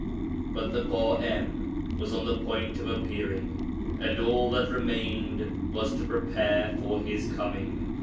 But the Ḳa'im was on the point of appearing, and all that remained was to prepare for his Coming.